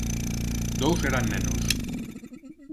Dous eran nenos.